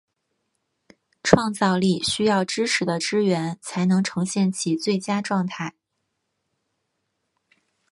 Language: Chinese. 创造力需要知识的支援才能呈现其最佳状态。